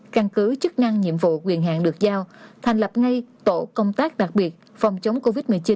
căn cứ chức năng nhiệm vụ quyền hạn được giao thành lập ngay tổ công tác đặc biệt phòng chống covid một mươi chín